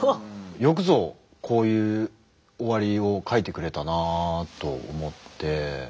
よくぞこういう終わりを書いてくれたなと思って。